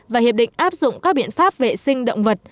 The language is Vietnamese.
và hiệp định áp dụng các biện pháp vệ sinh động vật